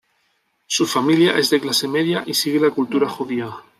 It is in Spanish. Su familia es de clase media y sigue la cultura judía.